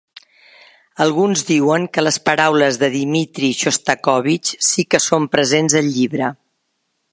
Alguns diuen que les paraules de Dmitri Shostakovich sí que són presents al llibre.